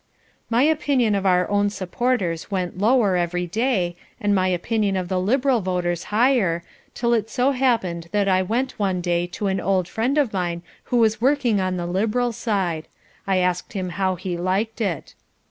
My opinion of our own supporters went lower every day, and my opinion of the Liberal voters higher, till it so happened that I went one day to an old friend of mine who was working on the Liberal side. I asked him how he liked it.